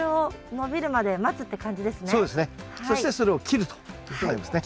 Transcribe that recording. そしてそれを切るということになりますね。